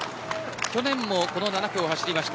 去年も７区を走りました。